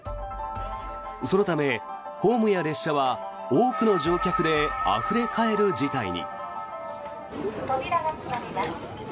そのためホームや列車は多くの乗客であふれ返る事態に。